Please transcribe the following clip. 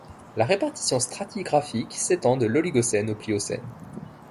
La répartition stratigraphique s’étend de l'Oligocène au Pliocène.